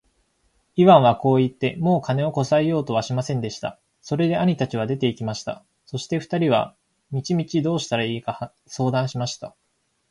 イワンはこう言って、もう金をこさえようとはしませんでした。それで兄たちは出て行きました。そして二人は道々どうしたらいいか相談しました。